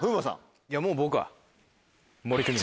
いやもう僕は。